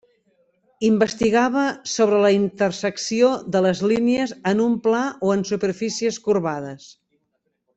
Investigava sobre la intersecció de les línies en un pla o en superfícies corbades.